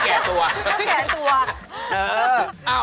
เพื่อแกะตัว